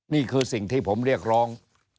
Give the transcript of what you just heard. นี่คือสิ่งที่ผมเรียกร้อง